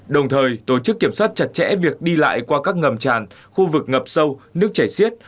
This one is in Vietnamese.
đồng thời tổ chức kiểm soát chặt chẽ việc đi lại qua các ngầm tràn khu vực ngập sâu nước chảy xiết